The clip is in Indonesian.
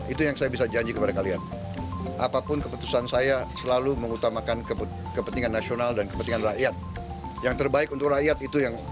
itu yang saya bisa janji kepada kalian apapun keputusan saya selalu mengutamakan kepentingan nasional dan kepentingan rakyat yang terbaik untuk rakyat itu yang